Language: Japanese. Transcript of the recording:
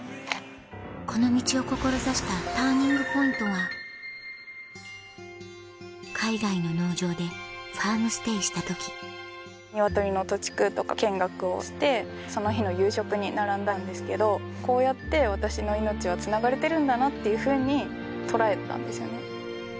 この道を志したＴＵＲＮＩＮＧＰＯＩＮＴは海外の農場でファームステイした時鶏の屠畜とか見学をしてその日の夕食に並んだんですけどこうやって私の命はつながれてるんだなっていうふうに捉えたんですよね。